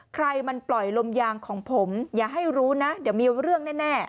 ใครมันปล่อยลมยางของผมอย่าให้รู้นะเดี๋ยวมีเรื่องแน่